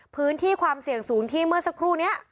พื้นที่ความเสี่ยงสูงที่เมื่อสักครู่นี้